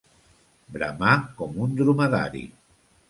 Bramar com un dromedari.